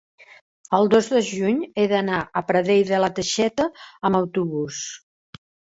el dos de juny he d'anar a Pradell de la Teixeta amb autobús.